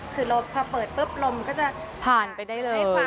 คือพอเปิดปุ๊บลมก็จะผ่านไปได้เลย